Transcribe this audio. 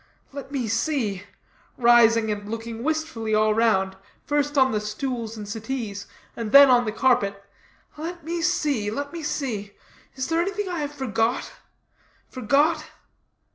Let me see," rising and looking wistfully all round, first on the stools and settees, and then on the carpet, "let me see, let me see; is there anything I have forgot, forgot?